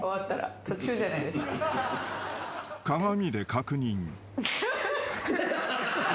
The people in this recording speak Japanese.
［鏡で確認］